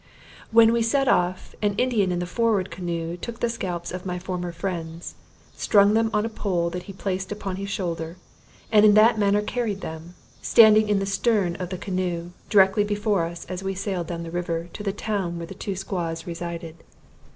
When we set off, an Indian in the forward canoe took the scalps of my former friends, strung them on a pole that he placed upon his shoulder, and in that manner carried them, standing in the stern of the canoe, directly before us as we sailed down the river, to the town where the two squaws resided.